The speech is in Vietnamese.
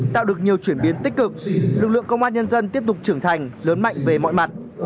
tạo được nhiều chuyển biến tích cực lực lượng công an nhân dân tiếp tục trưởng thành lớn mạnh về mọi mặt